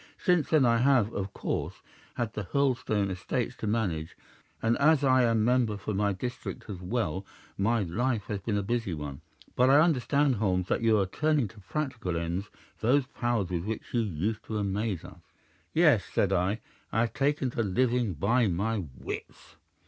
Since then I have of course had the Hurlstone estates to manage, and as I am member for my district as well, my life has been a busy one. But I understand, Holmes, that you are turning to practical ends those powers with which you used to amaze us?' "'Yes,' said I, 'I have taken to living by my wits.